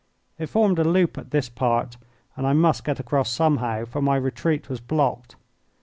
It formed a loop at this part, and I must get across somehow, for my retreat was blocked.